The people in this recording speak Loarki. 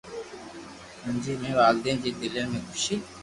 منهنجي ٻنهي والدين جي دلين ۾ خوشي